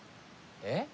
えっ？